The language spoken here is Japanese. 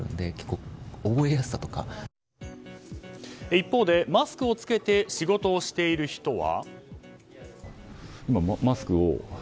一方で、マスクを着けて仕事をしている人は。